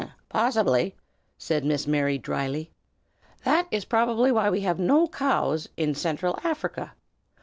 "Hem! possibly!" said Miss Mary, dryly. "That is probably why we have no cows in Central Africa.